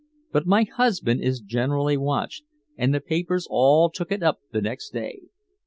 But my husband is generally watched, and the papers all took it up the next day.